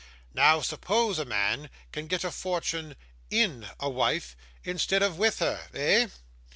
Now suppose a man can get a fortune IN a wife instead of with her eh?